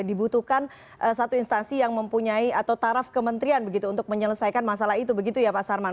dibutuhkan satu instansi yang mempunyai atau taraf kementerian begitu untuk menyelesaikan masalah itu begitu ya pak sarman